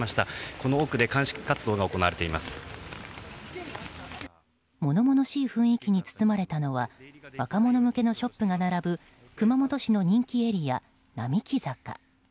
この奥で物々しい雰囲気に包まれたのは若者向けのショップが並ぶ熊本市の人気エリア、並木坂。